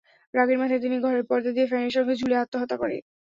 রাগের মাথায় তিনি ঘরের পর্দা দিয়ে ফ্যানের সঙ্গে ঝুলে আত্মহত্যা করেছেন।